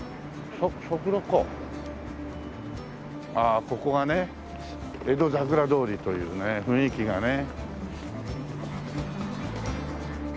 あここがね江戸桜通りというね雰囲気がね。